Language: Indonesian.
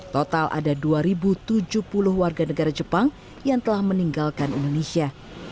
total ada dua tujuh puluh warga negara jepang yang telah meninggalkan indonesia